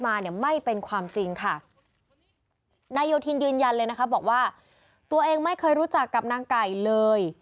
นายโยธินยืนยันเลยนะครับบอกว่าตัวเองไม่เคยรู้จักกับนางไก่เลย